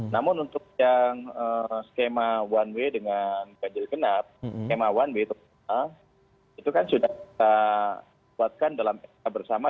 namun untuk yang skema one way dengan ganjil genap skema one way pertama itu kan sudah kita buatkan dalam sk bersama